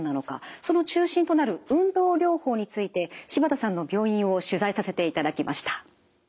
その中心となる運動療法について柴田さんの病院を取材させていただきました。